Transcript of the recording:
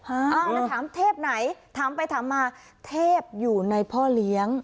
อ้าวแล้วถามเทพไหนถามไปถามมาเทพอยู่ในพ่อเลี้ยง